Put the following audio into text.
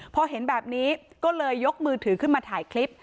พอเห็นแบบนี้ก็เลยยกมือถือขึ้นมาถ่ายคลิป